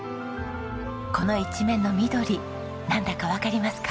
この一面の緑なんだかわかりますか？